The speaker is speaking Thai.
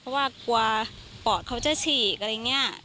เพราะว่ากลัวปอดเขาจะฉีกอะไรอย่างนี้